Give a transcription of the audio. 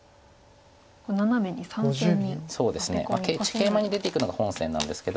ケイマに出ていくのが本線なんですけど。